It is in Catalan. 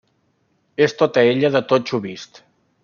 És tota ella de totxo vist.